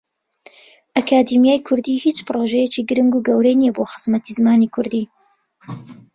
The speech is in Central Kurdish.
ئەکادیمیای کوردی هیچ پرۆژەیەکی گرنگ و گەورەی نییە بۆ خزمەتی زمانی کوردی.